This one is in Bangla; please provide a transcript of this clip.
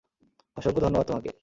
অসংখ্য ধন্যবাদ তোমাকে।